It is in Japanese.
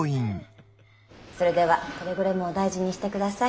それではくれぐれもお大事にしてください。